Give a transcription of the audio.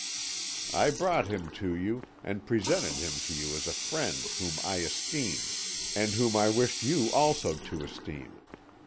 I brought him to you, and presented him to you as a friend whom I esteemed, and whom I wished you also to esteem.